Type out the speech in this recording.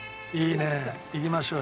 行きましょう！